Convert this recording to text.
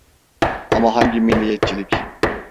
Ama hangi milliyetçilik?